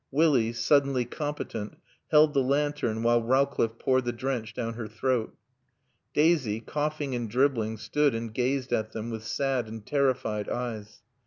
Willie, suddenly competent, held the lantern while Rowcliffe poured the drench down her throat. Daisy, coughing and dribbling, stood and gazed at them with sad and terrified eyes.